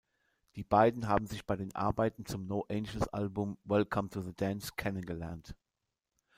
Die beiden haben sich bei den Arbeiten zum No-Angels-Album "Welcome to the Dance" kennengelernt.